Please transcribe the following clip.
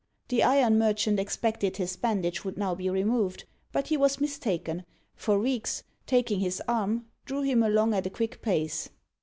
The iron merchant expected his bandage would now be removed, but he was mistaken, for Reeks, taking his arm, drew him along at a quick pace.